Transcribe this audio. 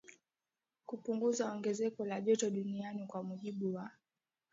kupunguza ongezeko la joto Duniani Kwa mujibu wa